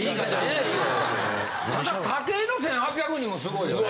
ただ武井の１８００人も凄いよね。